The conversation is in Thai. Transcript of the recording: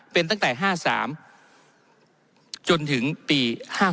เป็นตั้งแต่๕๓จนถึงปี๕๖